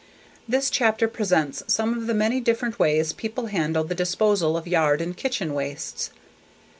This chapter presents some of the many different ways people handle the disposal of yard and kitchen wastes.